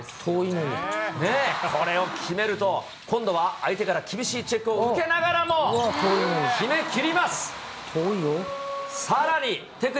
これを決めると、今度は相手から厳しいチェックを受けながらも決めきります。